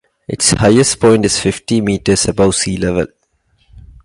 Its highest point is fifty meters above sea level.